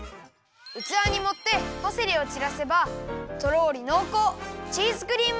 うつわにもってパセリをちらせばとろりのうこう